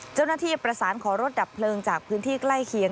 เจ้าหน้าที่ประสานขอรถดับเพลิงจากพื้นที่ใกล้เคียง